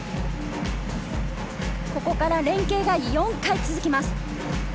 ここから連係が４回続きます。